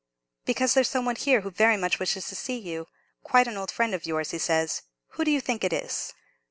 "Because there's some one here who very much wishes to see you; quite an old friend of yours, he says. Who do you think it is?"